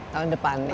tahun depan ya